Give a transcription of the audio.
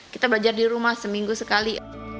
kita belajar di rumah seminggu sekali